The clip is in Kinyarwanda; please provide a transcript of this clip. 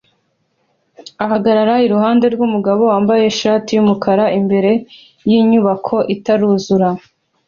ahagarara iruhande rwumugabo wambaye t-shati yumukara imbere yinyubako itaruzura